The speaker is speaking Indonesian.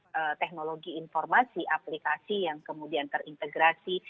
tentunya dengan adanya teknologi informasi aplikasi yang kemudian terintegrasi